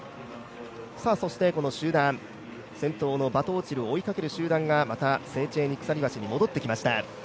そして集団、先頭のバトオチルを追いかける集団がセーチェーニ鎖橋に戻ってきました。